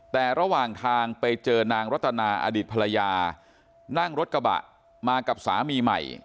แต่ระหว่างทางไปเจอนางรัตนาอดีตภรรยานั่งรถกระบะมากับสามีใหม่